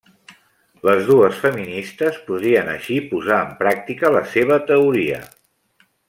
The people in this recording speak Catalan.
Les dues feministes podrien així posar en pràctica la seva teoria.